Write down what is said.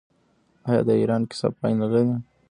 آیا د ایران کیسه پای نلري؟